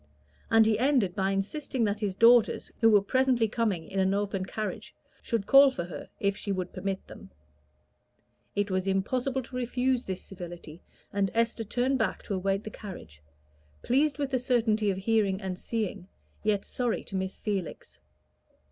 And he ended by insisting that his daughters, who were presently coming in an open carriage, should call for her if she would permit them. It was impossible to refuse this civility, and Esther turned back to await the carriage, pleased with the certainty of hearing and seeing, yet sorry to miss Felix.